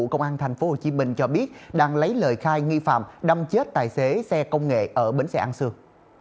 công an tp hcm cho biết đang lấy lời khai nghi phạm đâm chết tài xế xe công nghệ ở bến xe an sương